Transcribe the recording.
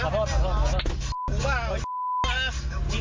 เอ้าหิ้ย